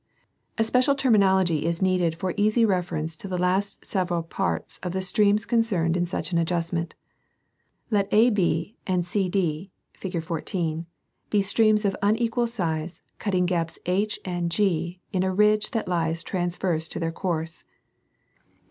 — A special terminology is needed for easy reference to the several parts of the streams concerned in such an adjustment. Let AB and CD, fig. 14, be streams of unequal size cutting gaps, H and G, in a ridge that lies transverse to their course.